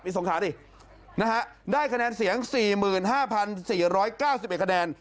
สงขาดินะฮะได้คะแนนเสียง๔๕๔๙๑คะแนน